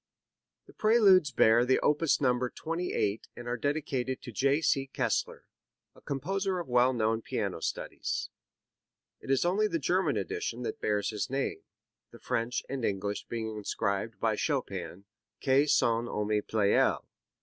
The Preludes bear the opus number 28 and are dedicated to J. C. Kessler, a composer of well known piano studies. It is only the German edition that bears his name, the French and English being inscribed by Chopin "a son ami Pleyel."